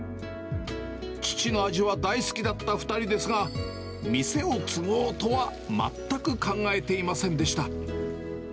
父の味は大好きだった２人ですが、店を継ごうとは全く考えていませんでした。